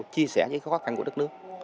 chia sẻ những khó khăn của đất nước